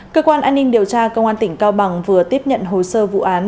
cơ quan an ninh điều tra công an tỉnh cao bằng vừa tiếp nhận hồ sơ vụ án